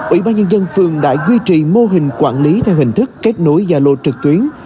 ủy ban nhân dân phường đã duy trì mô hình quản lý theo hình thức kết nối gia lô trực tuyến